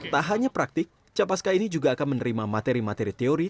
tak hanya praktik capaska ini juga akan menerima materi materi teori